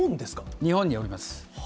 日本におります。